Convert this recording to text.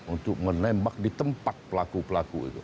untuk menembak di tempat pelaku pelaku itu